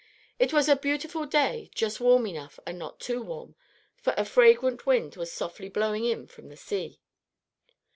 It was a beautiful day, just warm enough and not too warm; for a fragrant wind was blowing softly in from the sea.